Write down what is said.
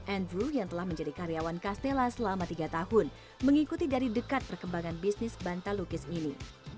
andrew yang telah menjadi karyawan castella selama tiga tahun mengikuti dari dekat perkembangan bisnis bantal lukis ini